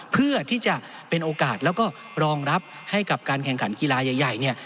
เพื่อที่จะเป็นโอกาสแล้วก็รองรับให้กับการแข่งขันกีฬาใหญ่เนี่ย